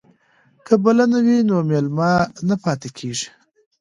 که بلنه وي نو مېلمه نه پاتې کیږي.